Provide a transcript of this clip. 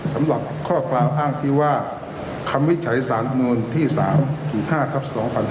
สำหรับข้อเกลาอ้างที่ว่าคำวิจัยสามนวลที่๓ถูก๕ทับ๒๕๕๐